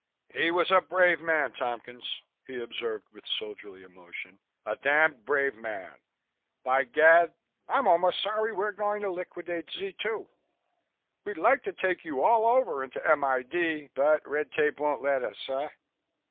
"He was a brave man, Tompkins," he observed with soldierly emotion, "a damned brave man. By Gad, I'm almost sorry we're going to liquidate Z 2. We'd like to take you all over into M.I.D. but red tape won't let us, eh?